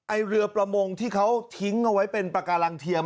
เรือประมงที่เขาทิ้งเอาไว้เป็นปากการังเทียม